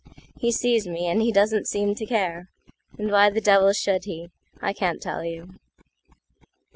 He sees me, and he doesn't seem to care; And why the devil should he? I can't tell you.